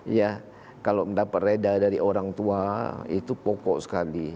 iya kalau mendapat reda dari orang tua itu pokok sekali